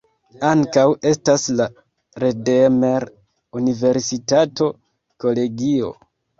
Ankaŭ estas la Redeemer-Universitato-kolegio.